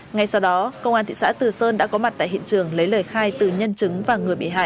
ngay sau đó công an thị xã từ sơn đã có mặt tại hiện trường lấy lời khai từ nhân chứng và người bị hại